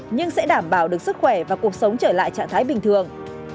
nhưng sẽ đảm bảo được sức khỏe và cuộc sống trở lại trạng thái bình thường